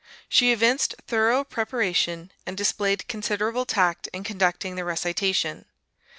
She evinced thorough preparation, and displayed considerable tact in conducting the recitation.